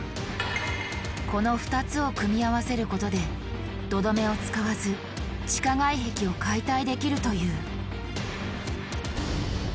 この２つを組み合わせることで土留めを使わず地下外壁を解体できるという。